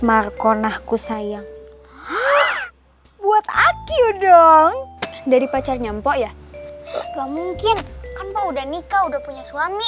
markonahku sayang buat aku dong dari pacarnya mpok ya mungkin udah nikah udah punya suami